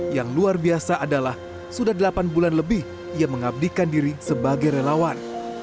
yang luar biasa adalah sudah delapan bulan lebih ia mengabdikan diri sebagai relawan